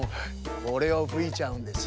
これをふいちゃうんです。